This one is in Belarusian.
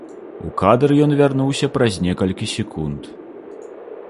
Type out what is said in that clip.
У кадр ён вярнуўся праз некалькі секунд.